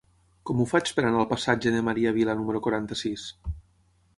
Com ho faig per anar al passatge de Maria Vila número quaranta-sis?